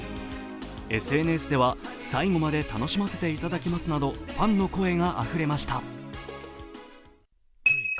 ＳＮＳでは、最後まで楽しませていただきますなど、ファンの声があふれました。